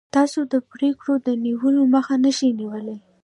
تاسو د پرېکړو د نیولو مخه نشئ نیولی.